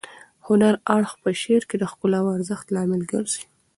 هنري اړخ په شعر کې د ښکلا او ارزښت لامل ګرځي.